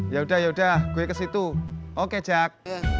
yaudah yaudah gue ke situ oke jack